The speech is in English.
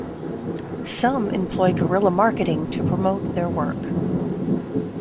Some employ guerrilla marketing to promote their work.